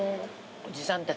おじさんたちは？